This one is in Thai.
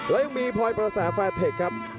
และยังมีพลอยประแสแฟร์เทคครับ